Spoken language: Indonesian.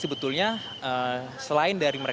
untuk ikut menjuk rasa pada hari ini